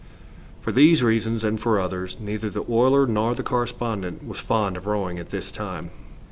For these reasons, and for others, neither the oiler nor the correspondent was fond of rowing at this time.